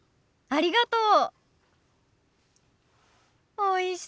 ありがとう。